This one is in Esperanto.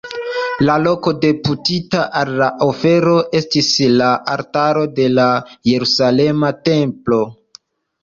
La loko deputita al la ofero estis la altaro de la Jerusalema templo.